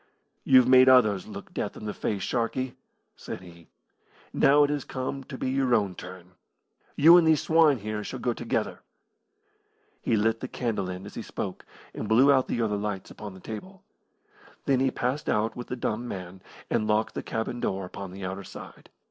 "You've made others look death in the face, Sharkey," said he; "now it has come to be your own turn. You and these swine here shall go together!" He lit the candle end as he spoke, and blew out the other lights upon the table. Then he passed out with the dumb man, and locked the cabin door upon the outer side.